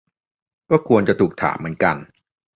ก็ควรจะถูกถามเหมือนกัน